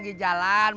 maaf ya mas pur